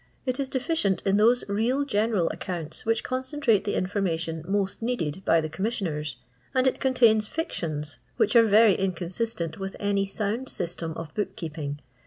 It is deficient in those real gener^ accounts which concentrate the information most needed by the Commissioners, and it contains Jicttont which are very inconsistent with any sound system of book keeping.